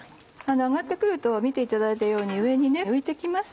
揚がって来ると見ていただいたように上に浮いて来ます。